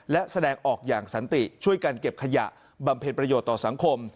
และแสดงออกอย่างสันติช่วยกันเก็บขยะบำเพ็ญประโยชน์ต่อสังคม